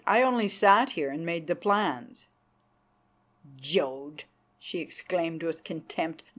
"I only sat here and made the plans." "Jodd!" she exclaimed with contempt.